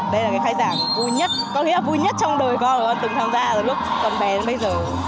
đây là cái khai giảng vui nhất có nghĩa là vui nhất trong đời con con từng tham gia lúc con bé đến bây giờ